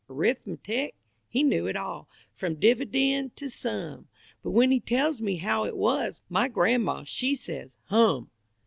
Arithmetic? He knew it all From dividend to sum; But when he tells me how it was, My grandma, she says "Hum!"